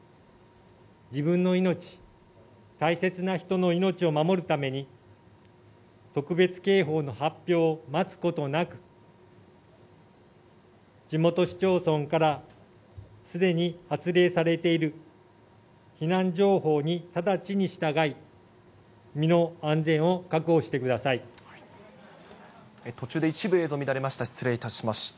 自分の命、大切な人の命を守るために、特別警報の発表を待つことなく、地元市町村からすでに発令されている避難情報に直ちにしたがい、途中で一部映像乱れました。